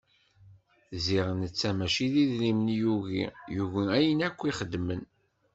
Ziɣ netta mačči d idrimen i yugi, yugi ayen akken i xeddmen.